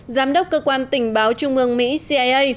giám đốc cơ quan tình báo trung mương mỹ cia